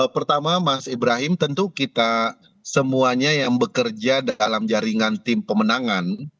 pertama mas ibrahim tentu kita semuanya yang bekerja dalam jaringan tim pemenangan